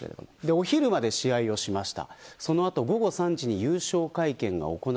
お昼まで試合をしました。